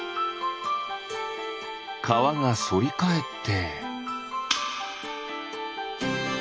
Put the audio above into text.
かわがそりかえって。